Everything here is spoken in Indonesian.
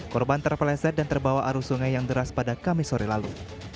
korban terpeleset dan terbawa arus sungai yang deras pada kamis sore lalu